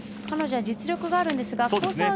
彼女は実力があるんですがコース